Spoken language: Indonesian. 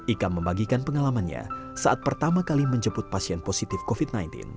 ika membagikan pengalamannya saat pertama kali menjemput pasien positif covid sembilan belas